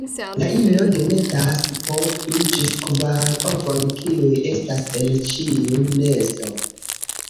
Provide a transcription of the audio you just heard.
La ino demetas po du ĝis kvar ovojn kiuj estas en ĉiu nesto.